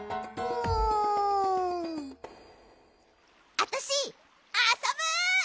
あたしあそぶ！